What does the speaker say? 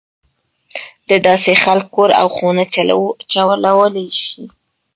دداسې خلک کور او خونه چلولای شي.